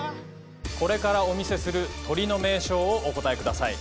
これからお見せする鳥の名称をお答えください